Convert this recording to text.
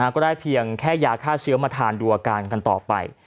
ก็ได้เพียงแค่ยาฆ่าเชื้อมาทานดูอาการกันต่อไป